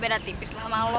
berat tipis lah sama lo